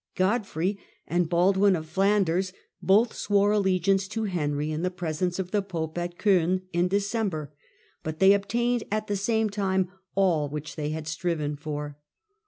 Godfrey and PJPg^^j^ Baldwin of Flanders both swore allegiance to Lotharingia Henry in the presence of the pope, at Coin, in December, but they obtained at the same time all which they had striven for.